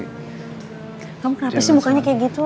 kamu kenapa sih mukanya kayak gitu